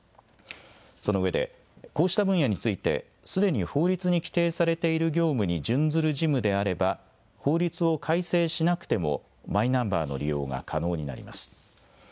その上で、こうした分野について、すでに法律に規定されている業務に準ずる事務であれば、法律を改正しなくてもマイナンバーの利用が可能になります。